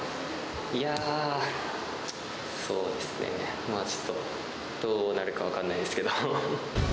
いやー、そうですね、まあちょっと、どうなるか分かんないですけど。